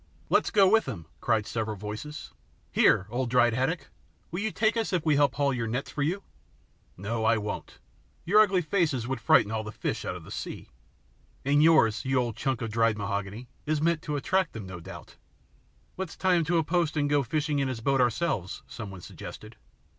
"Let's go with him," cried several voices. "Here, old dried haddock, will you take us if we help haul your nets for you?" "No, I won't. Your ugly faces would frighten all the fish out of the sea." "And yours, you old chunk of dried mahogany, is meant to attract them no doubt." "Let's tie him to a post and go fishing in his boat ourselves," some one suggested.